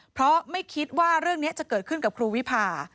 เพราะไม่คิดว่าเรื่องนี้จะเกิดขึ้นกับครูวิพา